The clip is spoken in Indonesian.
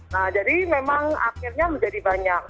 nah jadi memang akhirnya menjadi banyak